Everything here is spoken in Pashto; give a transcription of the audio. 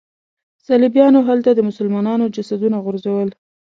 صلیبیانو هلته د مسلمانانو جسدونه غورځول.